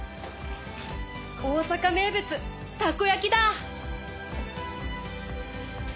大阪名物たこやきだ。